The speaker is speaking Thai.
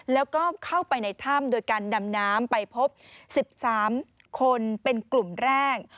แล้วก็เข้าไปในถ้ำโดยการดำน้ำไปพบ๑๓คนเป็นกลุ่มแรก